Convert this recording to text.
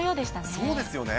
そうですよね。